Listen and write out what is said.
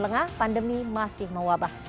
lengah pandemi masih mewabah